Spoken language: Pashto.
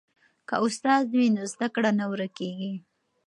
که استاد وي نو زده کړه نه ورکیږي.